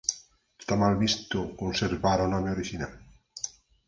Está mal visto conservar o nome orixinal?